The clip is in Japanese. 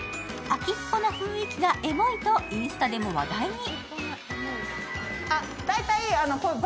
秋っぽな雰囲気がエモいとインスタでも話題に。